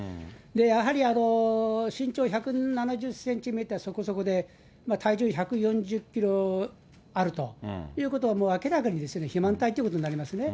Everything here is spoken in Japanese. やはり身長１７０センチメーターそこそこで、体重１４０キロあるということは、明らかに肥満体ということになりますよね。